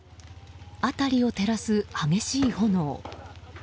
辺りを照らす激しい炎。